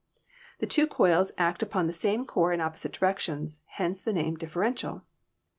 The two coils act upon the same core in opposite directions, hence the name "differential."